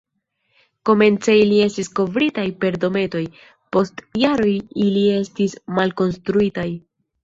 Komence ili estis kovritaj per dometoj, post jaroj ili estis malkonstruitaj.